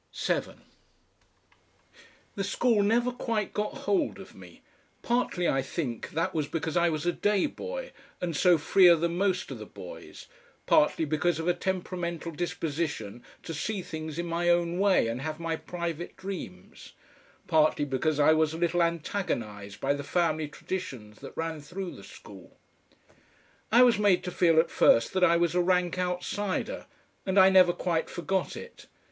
7 The school never quite got hold of me. Partly I think that was because I was a day boy and so freer than most of the boys, partly because of a temperamental disposition to see things in my own way and have my private dreams, partly because I was a little antagonised by the family traditions that ran through the school. I was made to feel at first that I was a rank outsider, and I never quite forgot it.